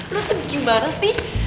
lo tuh gimana sih